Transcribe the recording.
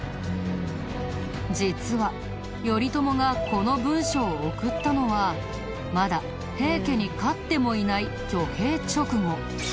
実は頼朝がこの文書を送ったのはまだ平家に勝ってもいない挙兵直後。